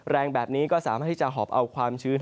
แรงแบบนี้ก็สามารถที่จะหอบเอาความชื้น